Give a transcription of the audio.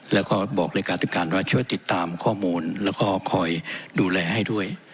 แล้วก็บอกเลขาธิการว่าช่วยติดตามข้อมูลแล้วก็คอยดูแลให้ด้วย